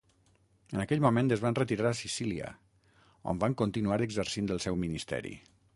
En aquell moment, es van retirar a Sicília, on van continuar exercint el seu ministeri.